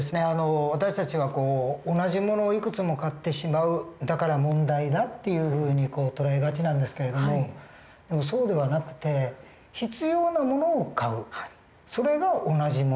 私たちは同じ物をいくつも買ってしまうだから問題だっていうふうに捉えがちなんですけれどもそうではなくて必要な物を買うそれが同じ物。